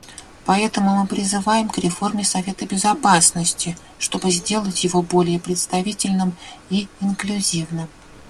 Поэтому мы призываем к реформе Совета Безопасности, чтобы сделать его более представительным и инклюзивным.